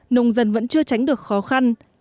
nông dân vẫn chưa tránh được khó khăn